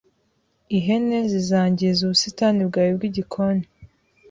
Ihene zizangiza ubusitani bwawe bwigikoni